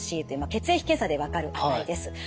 ｃ血液検査で分かる値です。